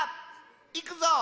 いくぞ！